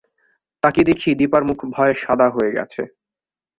তাকিয়ে দেখি দিপার মুখ ভয়ে সাদা হয়ে গেছে।